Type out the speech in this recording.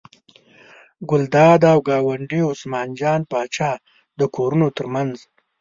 د ګلداد او ګاونډي عثمان جان پاچا د کورونو تر منځ.